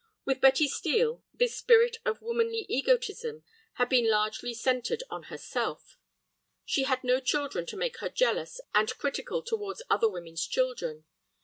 With Betty Steel, this spirit of womanly egotism had been largely centred on herself. She had no children to make her jealous and critical towards other women's children.